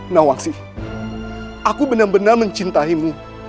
nawasih aku benar benar mencintaimu